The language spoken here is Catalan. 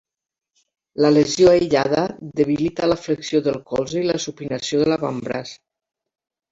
La lesió aïllada debilita la flexió del colze i la supinació de l'avantbraç.